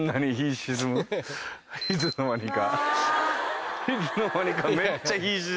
いつの間にか。